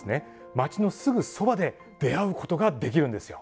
町のすぐそばで出会うことができるんですよ。